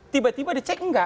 tiba tiba dicek nggak